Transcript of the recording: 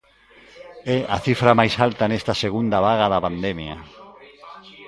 É a cifra máis alta nesta segunda vaga da pandemia.